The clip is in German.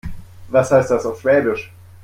Was heißt das auf Schwäbisch?